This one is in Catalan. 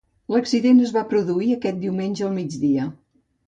L'accident es va produir aquest diumenge al migdia.